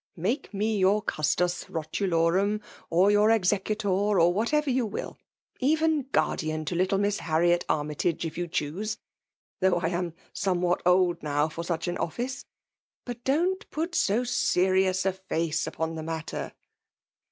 Make me jour Gustos Botulorum, or yew OKeeutor, or wbat you wfll— even guardian, to lil^ Miss Harriet Armytage, if you cboose; thougb I am sMoe* irfiat old now fer sucb an oiBoe; — but don't put so serious a face upon tbe matter."